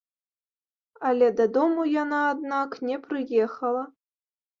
Але дадому яна, аднак, не прыехала.